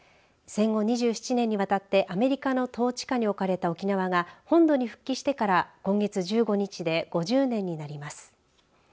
戦後２７年にわたってアメリカの統治下に置かれた沖縄が本土に復帰してから今月１５日で５０年になります。